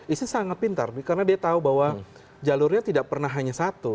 isis sangat pintar karena dia tahu bahwa jalurnya tidak pernah hanya satu